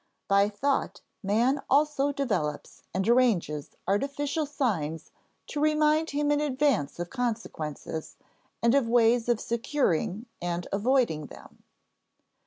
By thought man also develops and arranges artificial signs to remind him in advance of consequences, and of ways of securing and avoiding them.